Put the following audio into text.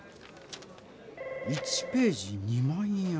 １ページ２万円。